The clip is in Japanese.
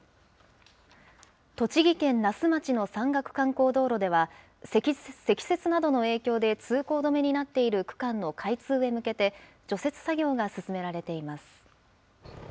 栃木県那須町の山岳観光道路では、積雪などの影響で通行止めになっている区間の開通へ向けて、除雪作業が進められています。